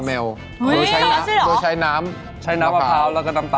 ส่วนเมนูในเบรคต่อไปเราจะทำเป็นซอสคาราเมล